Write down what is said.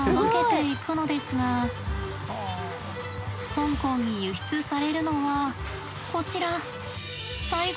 香港に輸出されるのはこちら。